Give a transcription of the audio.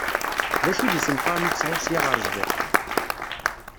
D acu d isenfaren i tesɛiḍ sya ɣer sdat?